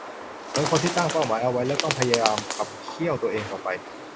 เหมือนคนที่ตั้งเป้าหมายเอาไว้และต้องพยายามขับเคี่ยวตัวเองต่อไป